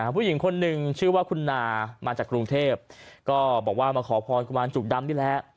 ผู้หญิงคนหนึ่งชื่อว่าคุณนามาจากกรุงเทพก็บอกว่ามาขอพรกุมารจุกดำนี่แหละ